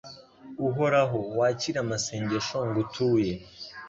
Uhoraho wakire amasengesho ngutuye